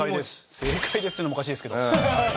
「正解です」っていうのもおかしいですけど。